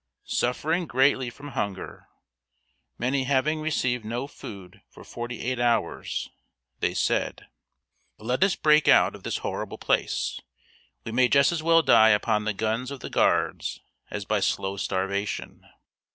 Suffering greatly from hunger, many having received no food for forty eight hours, they said: "Let us break out of this horrible place. We may just as well die upon the guns of the guards as by slow starvation."